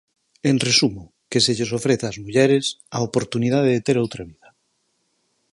En resumo, que se lles ofreza ás mulleres "a oportunidade de ter outra vida".